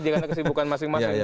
dikasih bukan masing masing